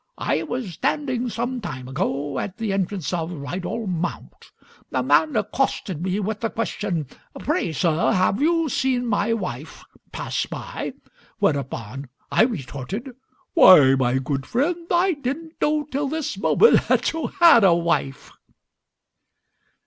I was standing some time ago at the entrance of Rydal Mount. A man accosted me with the question: 'Pray, sir, have you seen my wife pass by?' Whereupon I retorted, 'Why, my good friend, I didn't know till this moment that you had a wife.'"